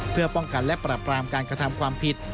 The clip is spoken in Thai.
เพื่อป้องกันและปรับรามการกระทำความผิด